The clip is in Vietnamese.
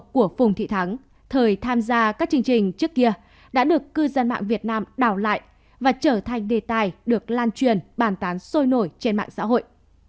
của phùng thị thắng thời tham gia các chương trình trước kia đã được cư dân mạng việt nam đào lại và trở thành đề tài được lan truyền bàn tán sôi nổi trên mạng xã hội